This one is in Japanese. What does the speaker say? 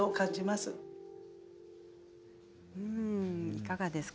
いかがですか。